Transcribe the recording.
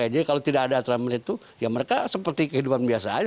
jadi kalau tidak ada aturan melit itu ya mereka seperti kehidupan biasa aja